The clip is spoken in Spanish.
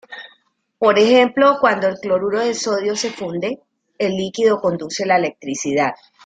Por ejemplo, cuando el cloruro de sodio se funde, el líquido conduce la electricidad.